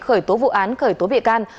khởi tố vụ án khởi tố bịa can